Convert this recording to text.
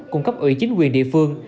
cung cấp ủy chính quyền địa phương